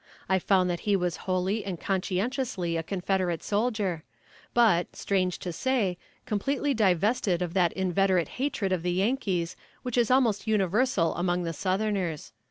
I found that he was wholly and conscientiously a Confederate soldier, but, strange to say, completely divested of that inveterate hatred of the Yankees which is almost universal among the Southerners.